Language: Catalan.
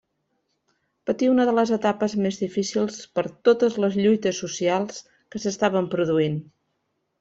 Patí una de les etapes més difícils per totes les lluites socials que s'estaven produint.